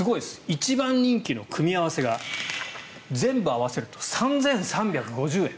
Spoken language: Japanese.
一番人気の組み合わせが全部合わせると３３５０円。